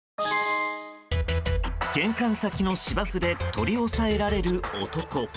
玄関先の芝生で取り押さえられる男。